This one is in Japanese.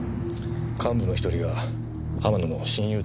幹部の１人が浜野の親友だったんです。